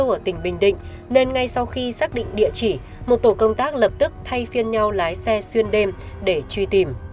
ở tỉnh bình định nên ngay sau khi xác định địa chỉ một tổ công tác lập tức thay phiên nhau lái xe xuyên đêm để truy tìm